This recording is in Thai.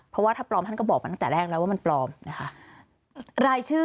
เพราะว่าถ้าปลอมท่านก็บอกมาตั้งแต่แรกแล้วว่ามันปลอมนะคะ